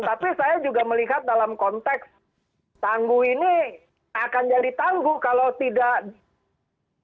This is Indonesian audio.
tapi saya juga melihat dalam konteks tangguh ini akan jadi tangguh kalau tidak